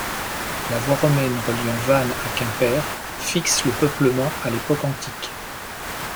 La voie romaine reliant Vannes à Quimper fixe le peuplement à l’époque antique.